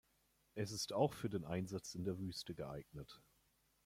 Es ist auch für den Einsatz in der Wüste geeignet.